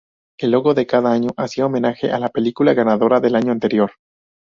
El logo de cada año hacía homenaje a la película ganadora del año anterior.